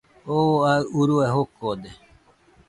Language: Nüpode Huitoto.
Oo aɨ urue jokode